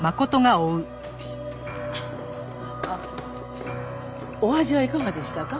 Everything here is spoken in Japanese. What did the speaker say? あっお味はいかがでしたか？